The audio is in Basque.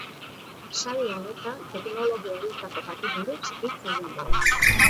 Saio honetan teknologia horietako bati buruz hitz egingo da.